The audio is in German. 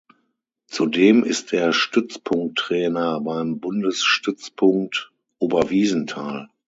Zudem ist er Stützpunkttrainer beim Bundesstützpunkt Oberwiesenthal.